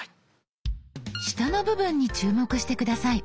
下の部分に注目して下さい。